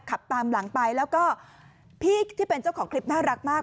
ขับตามหลังไปแล้วก็พี่ที่เป็นเจ้าของคลิปน่ารักมาก